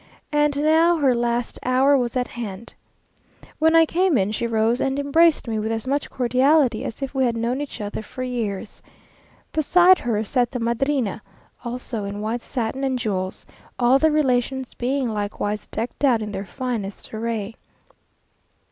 And now her last hour was at hand. When I came in she rose and embraced me with as much cordiality as if we had known each other for years. Beside her sat the Madrina, also in white satin and jewels; all the relations being likewise decked out in their finest array.